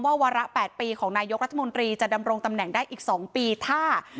วาระ๘ปีของนายกรัฐมนตรีจะดำรงตำแหน่งได้อีก๒ปีถ้า